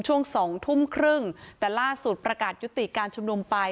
ช่วงสองทุ่มครึ่งแต่ล่าสุดประกาศยุติการชุมนุมไป